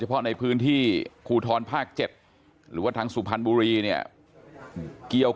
เพราะในพื้นที่ภูทรภาค๗หรือว่าทางสุพรรณบุรีเนี่ยเกี่ยว